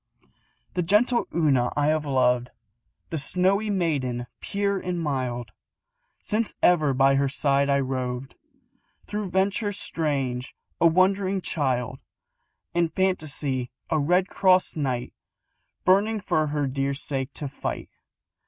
The gentle Una I have loved, The snowy maiden, pure and mild, Since ever by her side I roved, Through ventures strange, a wondering child, In fantasy a Red Cross Knight, Burning for her dear sake to fight.